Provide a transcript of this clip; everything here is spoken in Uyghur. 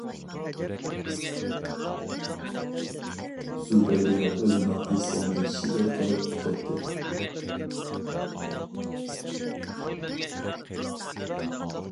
زۇبەيدە ئۆزىنىڭ ھېسلىرىنى شېئىر قىلىپ پۈتەتتى.